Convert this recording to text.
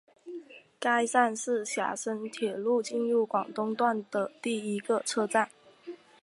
该站是厦深铁路进入广东段第一个车站。